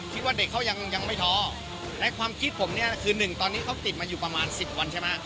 คิดว่าเด็กเขายังไม่ท้อในความคิดผมคือ๑ตอนนี้เขาติดมาอยู่ประมาณ๑๐วัน